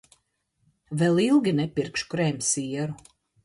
Vēl ilgi nepirkšu krēmsieru.